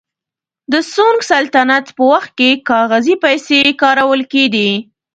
د سونګ سلطنت په وخت کې کاغذي پیسې کارول کېدې.